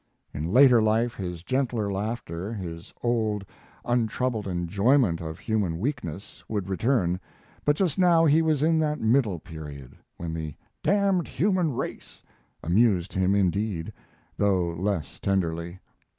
In later life his gentler laughter, his old, untroubled enjoyment of human weakness, would return, but just now he was in that middle period, when the "damned human race" amused him indeed, though less tenderly.